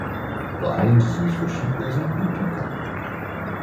The island is used for sheep grazing and peat cutting.